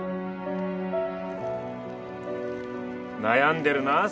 悩んでるな？